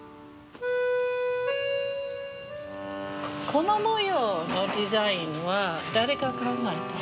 この模様のデザインは誰が考えたの？